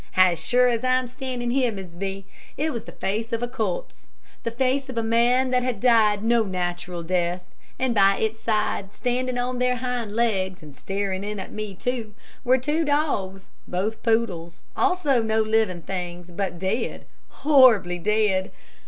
As sure as I'm standing here, Mrs. B , it was the face of a corpse the face of a man that had died no natural death. And by its side, standing on their hind legs, and staring in at me too were two dogs, both poodles also no living things, but dead, horribly dead.